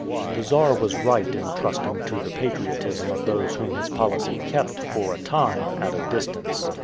The Czar was right in trusting to the patriotism of those whom his policy kept, for a time, at a distance.